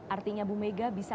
artinya ibu mega bisa